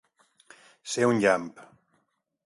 Ser un llamp.